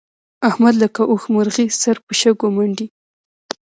احمد لکه اوښمرغی سر په شګو منډي.